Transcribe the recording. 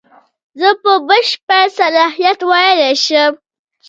زه په بشپړ صلاحیت ویلای شم.